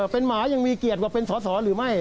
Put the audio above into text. เป็นหมายังมีเกียรติว่าเป็นสอสอหรือไม่